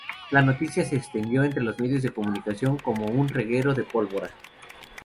La noticia se extendió entre los medios de comunicación como un reguero de pólvora.